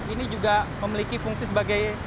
ini juga memiliki fungsi sebagai